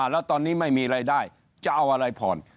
แล้วตอนนี้ไม่มีรายได้จะเอาอะไรผ่อน